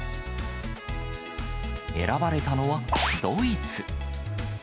選ばれたのはドイツ。